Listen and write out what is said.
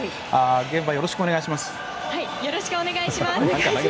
現場、よろしくお願いします。